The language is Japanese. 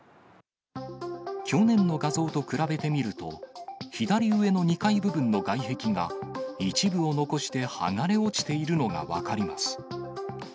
去年の画像と比べてみると、左上の２階部分の外壁が、一部を残して剥がれ落ちているのが分かります。